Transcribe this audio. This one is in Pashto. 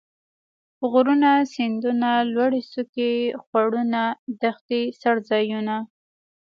غرونه ،سيندونه ،لوړې څوکي ،خوړونه ،دښتې ،څړ ځايونه